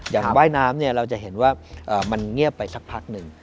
ว่ายน้ำเราจะเห็นว่ามันเงียบไปสักพักหนึ่ง